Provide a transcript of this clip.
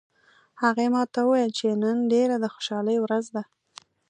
هغې ما ته وویل چې نن ډیره د خوشحالي ورځ ده